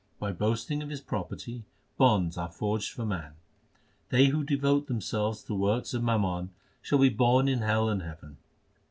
By boasting of his property, bonds are forged for man. They who devote themselves to works of mammon shall be born in hell and heaven.